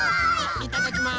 いただきます！